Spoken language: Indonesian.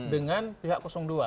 dengan pihak dua